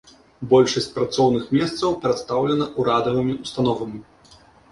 Большасць працоўных месцаў прадастаўлена ўрадавымі ўстановамі.